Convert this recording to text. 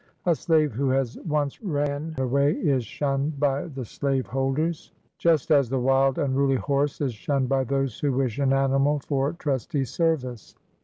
A slave who has once ran away is shunned by the slaveholders, just as the wild, unruly horse is shunned by those who wish an animal for trusty service.